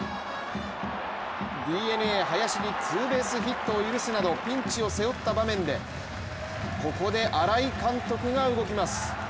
ＤｅＮＡ・林にツーベースヒットを許すなどピンチを背負った場面でここで新井監督が動きます。